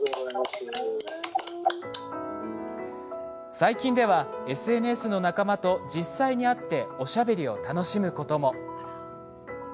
最近では、ＳＮＳの仲間と会っておしゃべりを楽しむことも。